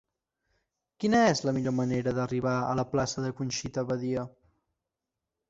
Quina és la millor manera d'arribar a la plaça de Conxita Badia?